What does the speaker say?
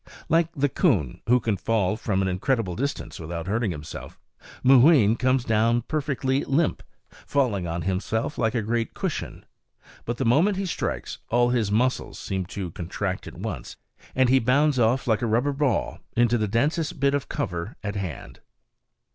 Like the coon, who can fall from an incredible distance without hurting himself, Mooween comes down perfectly limp, falling on himself like a great cushion; but the moment he strikes, all his muscles seem to contract at once, and he bounds off like a rubber ball into the densest bit of cover at hand.